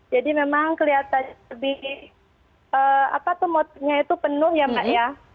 jadi memang kelihatan lebih apa tuh motifnya itu penuh ya mbak ya